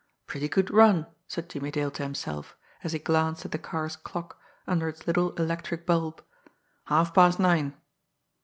"Pretty good run!" said Jimmie Dale to himself, as he glanced at the car's clock under its little electric bulb. "Halfpast nine."